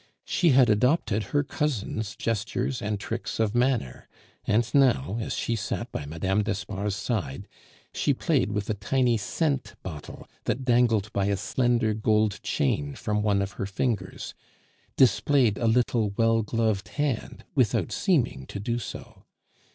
She had adopted her cousin's gestures and tricks of manner; and now, as she sat by Mme. d'Espard's side, she played with a tiny scent bottle that dangled by a slender gold chain from one of her fingers, displayed a little well gloved hand without seeming to do so.